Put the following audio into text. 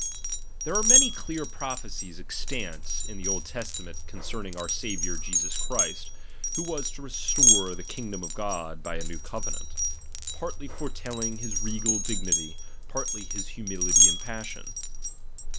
I. There are many clear prophecies extant in ch. the Old Testament concerning our Saviour Jesus ^~ Christ, who was to restore the kingdom of God' by a new covenant ; partly foretelling his regal rlignity, partly his humilitif and passion.